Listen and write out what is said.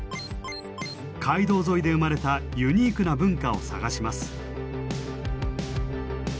街道沿いで生まれたユニークな文化を探します。